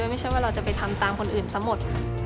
ไม่ใช่ว่าเราจะไปทำตามคนอื่นซะหมด